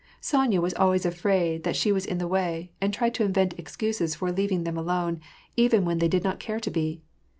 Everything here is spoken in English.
Sonya was always afraid that she was in the way, and tried to invent excuses for leav ing them alone, even when they did not care to be.